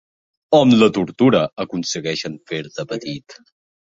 Amb la tortura aconsegueixen fer-te petit.